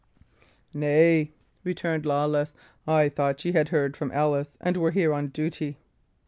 "Nay," returned Lawless, "I thought ye had heard from Ellis, and were here on duty."